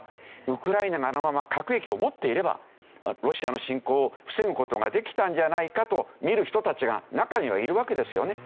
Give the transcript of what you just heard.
ウクライナがあのまま核兵器を持っていればロシアの侵攻を防ぐ事ができたんじゃないかと見る人たちが中にはいるわけですよね。